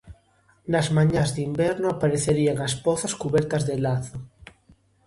Nas mañás de inverno aparecían as pozas cubertas de lazo.